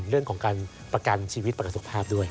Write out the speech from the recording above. เรื่องของการประกันชีวิตประกันสุขภาพด้วย